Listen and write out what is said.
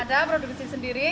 ada produksi sendiri